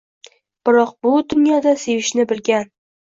Biroq bu dunyoda sevishni bilgan